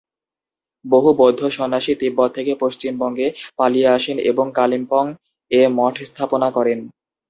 বহু বৌদ্ধ সন্ন্যাসী তিব্বত থেকে পশ্চিমবঙ্গে পালিয়ে আসেন এবং কালিম্পং-এ মঠ স্থাপনা করেন।